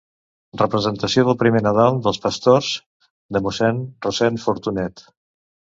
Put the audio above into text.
Representació del "Primer Nadal dels Pastors" de mossèn Rossend Fortunet.